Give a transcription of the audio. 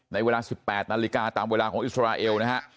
ในเวลา๑๘นาฬิกาตามเวลาของอิสราเอลนะฮะ